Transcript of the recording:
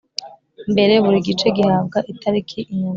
mbere Buri gice gihabwa itariki inyandiko